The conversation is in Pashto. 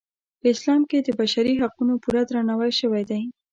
په اسلام کې د بشري حقونو پوره درناوی شوی دی.